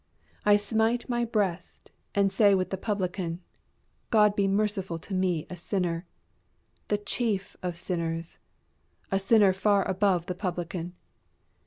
I smite my breast and say with the publican, God be merciful to me a sinner; the chief of sinners; a sinner far above the publican.